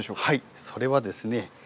はいそれはですね